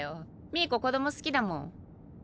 ミイコ子供好きだもん。